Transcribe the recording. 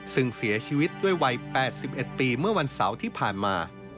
ซึ่งเสียชีวิตด้วยวัย๘๑ปีเมื่อวันเสาร์ที่ผ่านมา